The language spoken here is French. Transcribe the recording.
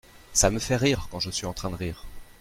Ça me fait rire quand je suis en train de rire !